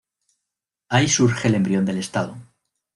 Ahí surge el embrión del Estado.